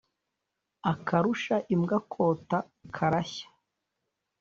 Akarusha imbwa kwota karashya.